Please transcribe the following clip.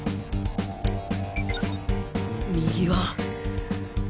右は